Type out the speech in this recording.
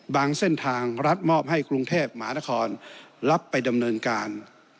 เส้นทางรัฐมอบให้กรุงเทพหมานครรับไปดำเนินการ